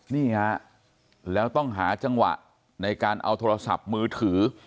นี่ฮะแล้วต้องหาจังหวะในการเอาโทรศัพท์มือถือ